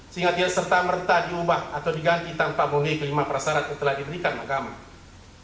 sehingga dia serta merta diubah atau diganti tanpa memulai kelima persarat yang telah diberikan mahkamah